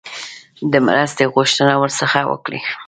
د مرستې غوښتنه ورڅخه وکړي.